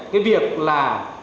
cái việc là